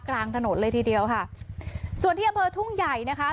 กลางถนนเลยทีเดียวค่ะส่วนที่อำเภอทุ่งใหญ่นะคะ